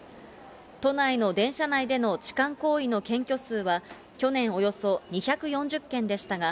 都内の電車内での痴漢行為の検挙数は去年およそ２４０件でしたが、